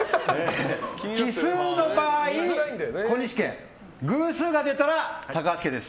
奇数の場合、小西家偶数が出たら高橋家です。